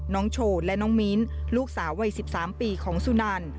น้องโชว์และน้องมิ้นลูกสาววัย๑๓ปีของสุนัน